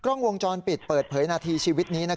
กล้องวงจรปิดเปิดเผยนาทีชีวิตนี้